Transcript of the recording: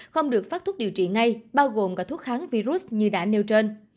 không được phát thuốc điều trị ngay bao gồm cả thuốc kháng virus như đã nêu trên